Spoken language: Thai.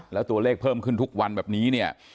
แล้วตัวเลขเพิ่มขึ้นทุกวันแบบนี้เนี่ย